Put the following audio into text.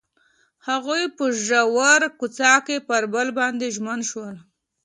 هغوی په ژور کوڅه کې پر بل باندې ژمن شول.